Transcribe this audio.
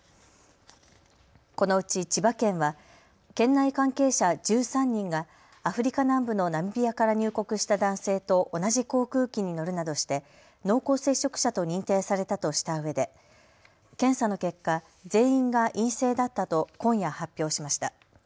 このうち千葉県は県内関係者１３人がアフリカ南部のナミビアから入国した男性と同じ航空機に乗るなどして濃厚接触者と認定されたとしたうえで検査の結果、全員が陰性だったと今夜、発表しました。